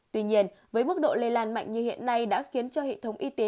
tuy nhiên với mức độ lây lan mạnh như hiện nay đã khiến cho hệ thống y tế